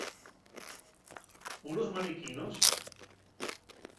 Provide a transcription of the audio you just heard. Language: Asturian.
¿Ú los maniquinos?